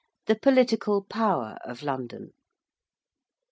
THE POLITICAL POWER OF LONDON.